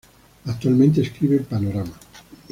Actualmente escribe en "Panorama".